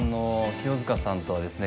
清塚さんとはですね